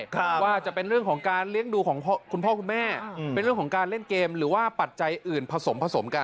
ต้องช่วยกันดูแลยกว่าชม